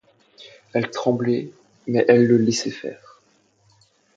Elles tremblaient, mais elles le laissaient faire.